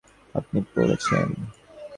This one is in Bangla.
আপনি পড়েছেন?